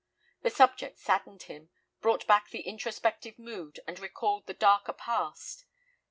The subject saddened him, brought back the introspective mood, and recalled the darker past.